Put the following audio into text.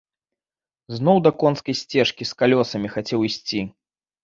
Зноў да конскай сцежкі з калёсамі хацеў ісці.